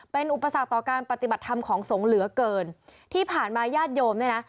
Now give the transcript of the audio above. เป็นอุปสรรคต่อการปฏิบัติธรรมของสงฆ์เหลือเกินที่ผ่านมาญาติโยมเนี่ยนะ